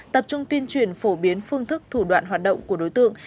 tập trung tuyên truyền phổ biến phương thức thủ đoạn hoạt động của đối tượng